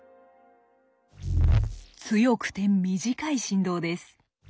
強くて短い振動です。